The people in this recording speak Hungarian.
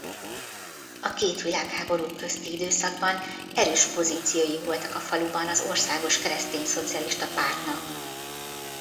A két világháború közti időszakban erős pozíciói voltak a faluban az Országos Keresztényszocialista Pártnak.